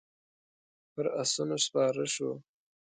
پر آسونو سپاره شوو.